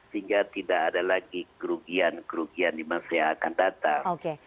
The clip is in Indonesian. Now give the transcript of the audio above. sehingga tidak ada lagi kerugian kerugian di masa yang akan datang